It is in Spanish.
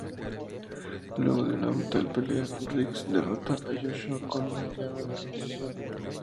Luego de una brutal pelea, Riggs derrota a Joshua con una llave de rendición.